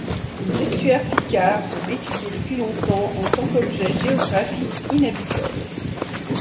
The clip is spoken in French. Les estuaires picards sont étudiés depuis longtemps en tant qu'objets géographiques inhabituels.